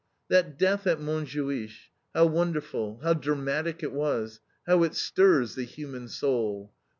That death at Montjuich, how wonderful, how dramatic it was, how it stirs the human soul.